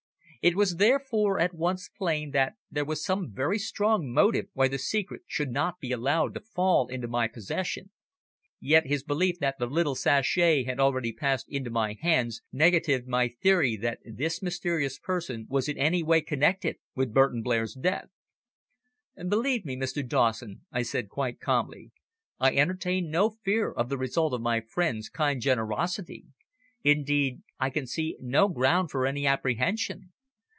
It was therefore at once plain that there was some very strong motive why the secret should not be allowed to fall into my possession. Yet his belief that the little sachet had already passed into my hands negatived my theory that this mysterious person was in any way connected with Burton Blair's death. "Believe me, Mr. Dawson," I said quite calmly, "I entertain no fear of the result of my friend's kind generosity. Indeed, I can see no ground for any apprehension.